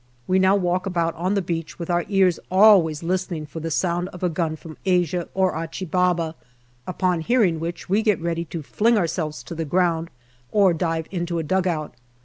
We now walk about on the beach with our ears always listening for the sound of a gun from Asia or Achi Baba, upon hearing which we get ready to DECEMBER 305 fling ourselves to the ground or dive into a dugout.